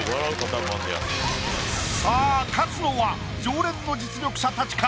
さぁ勝つのは常連の実力者たちか？